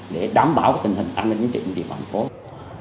để đảm bảo tình hình an ninh trên địa phương thành phố